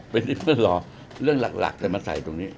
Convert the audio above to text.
เป็นที่เพื่อนรอเรื่องหลักจะมาใส่ตรงนี้